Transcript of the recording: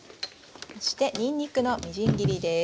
そしてにんにくのみじん切りです。